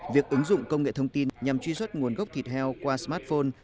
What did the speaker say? việc ứng dụng công nghệ thông tin nhằm truy xuất nguồn gốc thịt heo qua smartphone